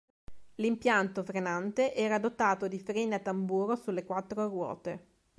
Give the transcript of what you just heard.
L'impianto frenante era dotato di freni a tamburo sulle quattro ruote.